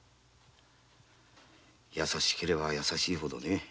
優しければ優しいほどね。